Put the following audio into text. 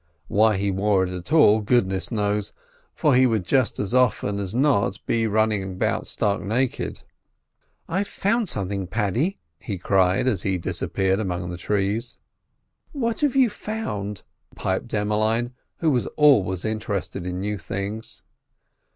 Why he wore it at all, goodness knows, for he would as often as not be running about stark naked. "I've found something, Paddy!" he cried, as he disappeared among the trees. "What have you found?" piped Emmeline, who was always interested in new things.